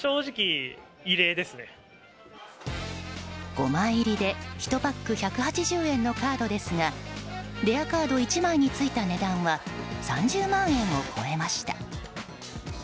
５枚入りで１パック１８０円のカードですがレアカード１枚についた値段は３０万円を超えました。